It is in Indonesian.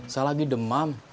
saya lagi demam